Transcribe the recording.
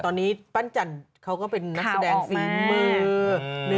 ตอนนี้ปั้นจันเป็นนักแสดงศีลมือ